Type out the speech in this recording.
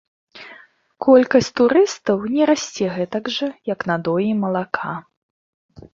Колькасць турыстаў не расце гэтак жа, як надоі малака.